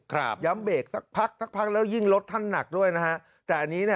ครับยำเบรกทักแล้วยิ่งรถทั่นหนักด้วยนะฮะแต่อันนี้ดิ